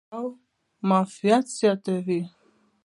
او مدافعت زياتوي -